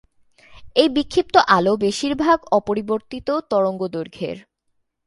এই বিক্ষিপ্ত আলো বেশিরভাগ অপরিবর্তিত তরঙ্গদৈর্ঘ্যের।